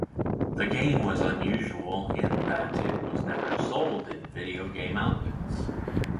The game was unusual in that it was never sold in video game outlets.